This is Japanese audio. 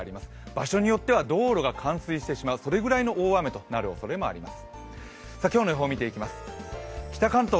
場所によっては道路が冠水してしまう、それぐらいの大雨となるおそれがあります。